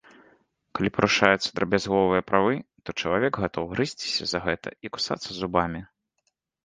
Калі парушаюцца драбязговыя правы, то чалавек гатоў грызьціся за гэта і кусацца зубамі.